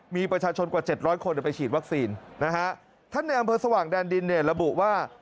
มีประชาชนกว่าเจ็ดร้อยคนไปฉีดวัคซีนนะฮะท่านในอำเภอสว่างแดนดินเนี่ยระบุว่า